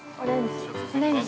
◆オレンジ。